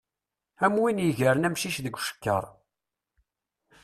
Am win yegren amcic deg ucekkaṛ.